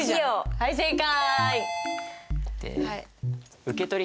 はい正解！